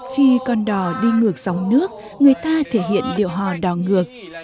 khi con đò đi ngược dòng nước người ta thể hiện điệu hò đò ngược